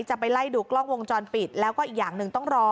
จะไปไล่ดูกล้องวงจรปิดแล้วก็อีกอย่างหนึ่งต้องรอ